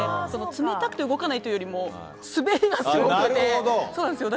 冷たくて動かないというよりも滑りますよね。